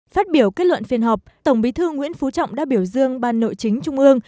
phát biểu kết luận phiên họp tổng bí thư nguyễn phú trọng đã biểu dương ban nội chính trung ương